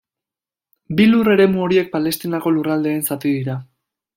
Bi lur eremu horiek Palestinako Lurraldeen zati dira.